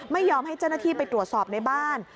ไม่ยอมให้เจ้าหน้าที่ไปตรวจสอบในบ้าน